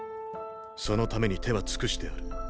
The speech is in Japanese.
そのために手は尽くしてある。